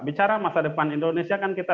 bicara masa depan indonesia kan kita